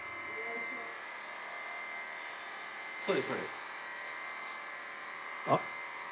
そうですそうです。あっ？